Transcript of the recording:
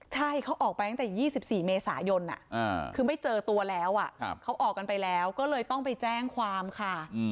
ใช่เขาออกไปตั้งแต่๒๔เมษายนคือไม่เจอตัวแล้วเขาออกกันไปแล้วก็เลยต้องไปแจ้งความค่ะ